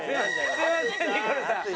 すいませんニコルさん。